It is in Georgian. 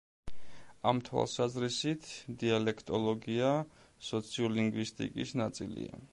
ამ თვალსაზრისით, დიალექტოლოგია სოციოლინგვისტიკის ნაწილია.